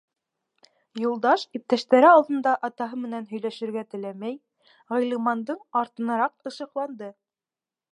Юлдаш, иптәштәре алдында атаһы менән һөйләшергә теләмәй, Ғилмандың артынараҡ ышыҡланды.